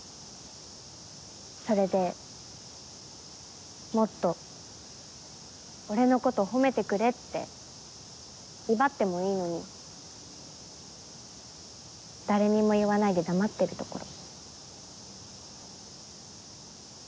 それで「もっと俺のこと褒めてくれ」って威張ってもいいのに誰にも言わないで黙ってるところ。